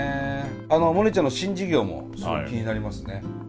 モネちゃんの新事業もすごく気になりますね。